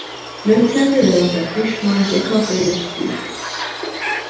L'intérieur est richement décoré de stuc.